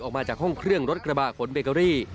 ออกมาจากห้องเครื่องรถกระบะขนเบเกอรี่